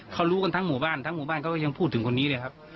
เขารู้กันทั้งหมู่บ้านทั้งหมู่บ้านเขาก็ยังพูดถึงคนนี้เลยครับ